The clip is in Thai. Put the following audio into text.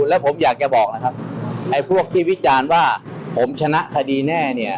แล้วผมอยากจะบอกนะครับไอ้พวกที่วิจารณ์ว่าผมชนะคดีแน่เนี่ย